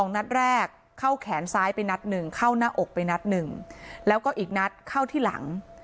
นัดแรกเข้าแขนซ้ายไปนัดหนึ่งเข้าหน้าอกไปนัดหนึ่งแล้วก็อีกนัดเข้าที่หลัง